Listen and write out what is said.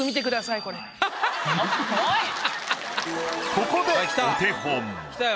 ここでお手本。